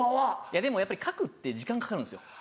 でもやっぱり書くって時間かかるんですよ。